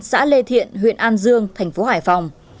xã lê thiện huyện an dương thành phố hải phòng